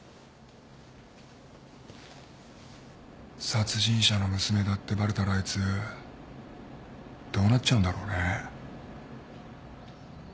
殺人者の娘だってバレたらあいつどうなっちゃうんだろうね？